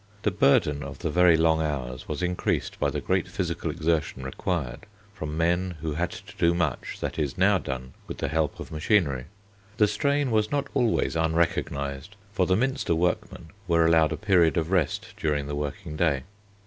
The burden of the very long hours was increased by the great physical exertion required from men who had to do much that is now done with the help of machinery. The strain was not always unrecognised, for the Minster workmen were allowed a period of rest during the working day.